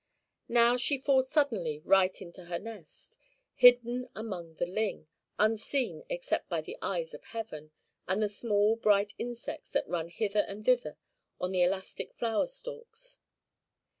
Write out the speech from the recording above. Now she falls suddenly right into her nest, hidden among the ling, unseen except by the eyes of Heaven, and the small bright insects that run hither and thither on the elastic flower stalks.